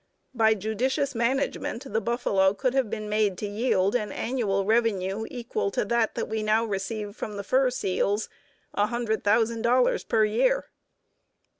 By judicious management the buffalo could have been made to yield an annual revenue equal to that we now receive from the fur seals $100,000 per year.